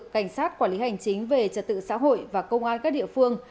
cảnh sát quản lý hành chính về trật tự xã hội và công an các địa phương